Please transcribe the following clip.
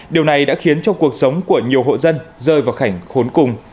điều này đã khiến cho cuộc sống của nhiều hộ dân rơi vào cảnh khốn cùng